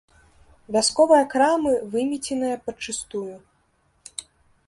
Вясковыя крамы вымеценыя падчыстую.